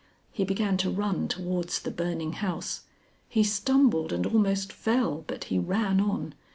He began to run towards the burning house. He stumbled and almost fell, but he ran on.